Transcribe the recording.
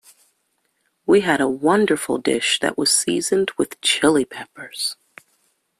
We had a wonderful dish that was seasoned with Chili Peppers.